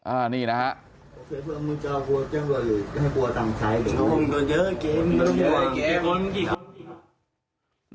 อาการสาหัสโบราณ